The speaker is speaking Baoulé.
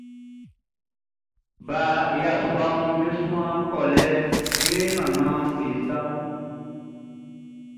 Ba yasuaʼm be suan kolɛ be nannanʼm be sa nun.